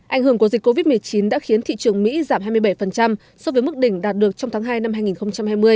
ảnh hưởng của dịch covid một mươi chín đã khiến thị trường mỹ giảm hai mươi bảy so với mức đỉnh đạt được trong tháng hai năm hai nghìn hai mươi